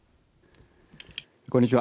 こんにちは。